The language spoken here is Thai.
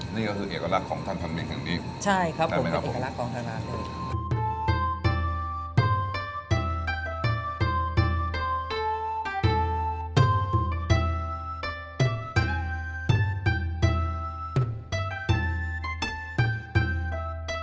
นี่ก็คือเอกลักษณ์ของท่านท่านเบียงทางนี้ใช่ครับผมเอกลักษณ์ของท่านมากด้วย